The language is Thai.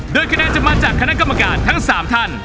โดยคะแนนจะมาจากคณะกรรมการทั้ง๓ท่าน